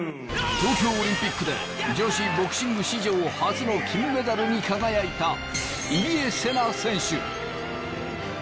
東京オリンピックで女子ボクシング史上初の金メダルに輝いた入江聖奈選手。